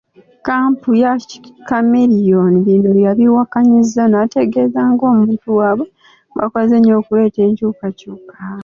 Kkampu ya Chameleone bino yabiwakanyizza n'etegeeza ng'omuntu waabwe bw'akoze ennyo okuleeta enkyukakyuka.